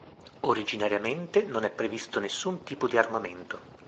Originariamente non è previsto nessun tipo di armamento.